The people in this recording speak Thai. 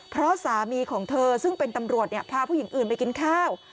เพราะสามีของเธอซึ่งเป็นตำรวจพาผู้หญิงอื่นไปกินข้าว